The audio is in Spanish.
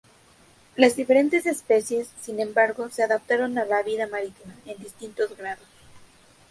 Las diferentes especies, sin embargo, se adaptaron a la vida marítima en distintos grados.